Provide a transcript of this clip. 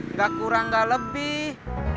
nggak kurang nggak lebih